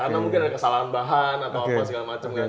karena mungkin ada kesalahan bahan atau apa segala macem ya